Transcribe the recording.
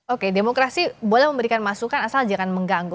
oke demokrasi boleh memberikan masukan asal jangan mengganggu